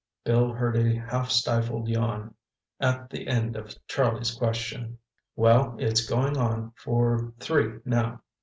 Bill heard a half stifled yawn at the end of Charlie's question. "Well, it's going on for three now.